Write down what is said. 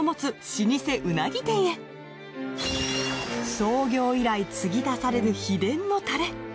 創業以来継ぎ足される秘伝のタレ。